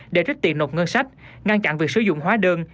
để trích tiền nộp ngân sách ngăn chặn việc sử dụng hóa đơn